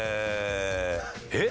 えっ？